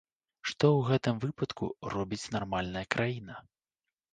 Што ў гэтым выпадку робіць нармальная краіна?